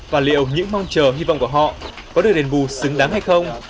và liệu những mong chờ hy vọng của họ có được đền bù xứng đáng hay không